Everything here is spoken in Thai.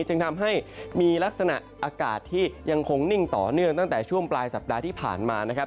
จึงทำให้มีลักษณะอากาศที่ยังคงนิ่งต่อเนื่องตั้งแต่ช่วงปลายสัปดาห์ที่ผ่านมานะครับ